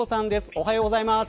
おはようございます。